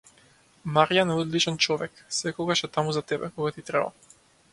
Марјан е одличен човек, секогаш е таму за тебе, кога ти треба.